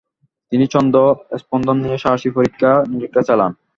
তিনি ছন্দ ও স্পন্দন নিয়েও সাহসী পরীক্ষা-নিরীক্ষা চালান।